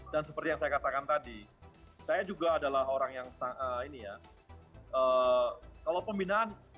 dan seperti yang saya katakan tadi saya juga adalah orang yang ini ya kalau pembinaan